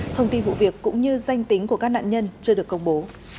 thông tin vụ việc cũng như danh tính của các nạn nhân chưa được công bố